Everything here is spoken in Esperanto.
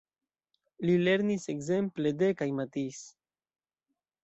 Li lernis ekzemple de kaj Matisse.